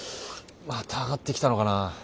また上がってきたのかな。